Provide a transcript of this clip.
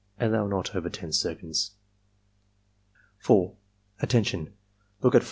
(Allow not over 10 seconds.) 4. "Attention! Look at 4.